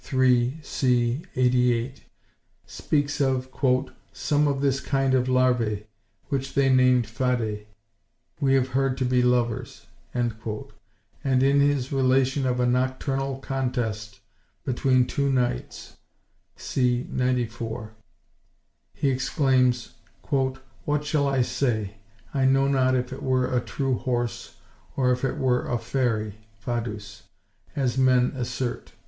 3, c. 88), speaks of "some of this kind of larvæ, which they named fadœ, we have heard to be lovers," and in his relation of a nocturnal contest between two knights (c. 94) he exclaims, "What shall I say? I know not if it were a true horse, or if it were a fairy (fadus), as men assert."